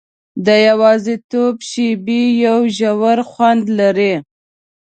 د یوازیتوب شېبې یو ژور خوند لري.